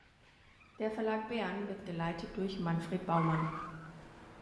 Der Verlag Bern wird geleitet durch Manfred Baumann.